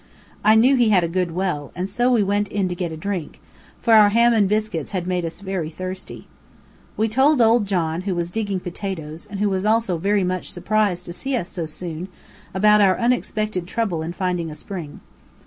I knew he had a good well, and so we went in to get a drink, for our ham and biscuits had made us very thirsty. We told old John, who was digging potatoes, and was also very much surprised to see us so soon, about our unexpected trouble in finding a spring.